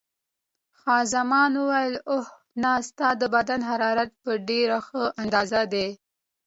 خان زمان وویل: اوه، نه، ستا د بدن حرارت په ډېره ښه اندازه دی.